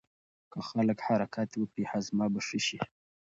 که خلک حرکت وکړي هاضمه به ښه شي.